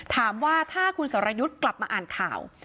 ถามว่าถ้าคุณสรยุทธ์กลับมาอ่านข่าว